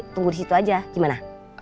tunggu di situ aja gimana